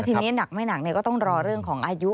ทีนี้หนักไม่หนักก็ต้องรอเรื่องของอายุ